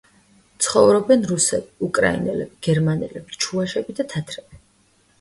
ცხოვრობენ რუსები, უკრაინელები, გერმანელები, ჩუვაშები და თათრები.